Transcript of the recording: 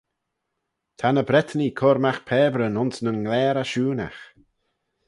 Ta ny Bretnee cur magh pabyryn ayns nyn ghlaare ashoonagh.